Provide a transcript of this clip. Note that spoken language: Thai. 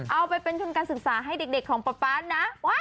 เอาไปเป็นทุนการศึกษาให้เด็กของป๊าป๊านะ